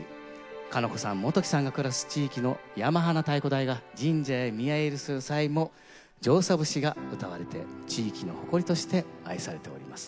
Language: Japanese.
加奈子さん幹さんが暮らす地域の山端太鼓台が神社へ宮入りする際も「じょうさ節」がうたわれて地域の誇りとして愛されております。